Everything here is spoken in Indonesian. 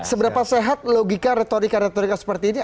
seberapa sehat logika retorika retorika seperti ini